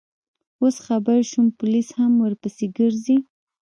اوس خبر شوم، پولیس هم ورپسې ګرځي.